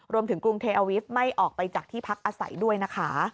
กรุงเทอาวิฟต์ไม่ออกไปจากที่พักอาศัยด้วยนะคะ